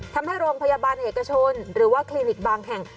ทำให้โรงพยาบาลเอกชนหรือว่าคลินิกบางแห่ง